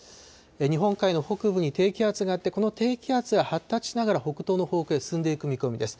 日本海の北部に低気圧があって、この低気圧が発達しながら北東の方向へ進んでいく見込みです。